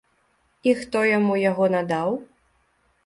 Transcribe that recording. І хто яму яго надаў?